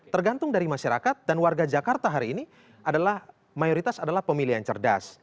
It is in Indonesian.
tergantung dari masyarakat dan warga jakarta hari ini adalah mayoritas adalah pemilihan cerdas